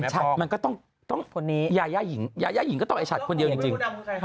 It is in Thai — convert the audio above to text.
ใช่แม่ฟองมันก็อย่างชัดต้องยาย่ายหญิงก็ต้องให้ชัดคนเดียวจริง